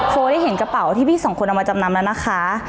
โอได้เห็นกระเป๋าที่พี่สองคนเอามาจำนำแล้วนะคะ